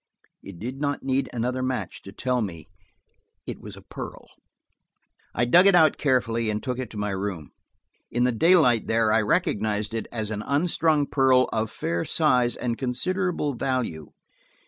It did not need another match to tell me it was a pearl. I dug it out carefully and took it to my room. In the daylight there I recognized it as an unstrung pearl of fair size and considerable value.